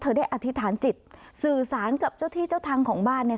ได้อธิษฐานจิตสื่อสารกับเจ้าที่เจ้าทางของบ้านเนี่ย